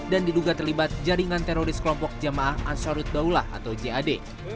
dan diduga terlibat jaringan teroris kelompok jamaah ansarud baulah atau jad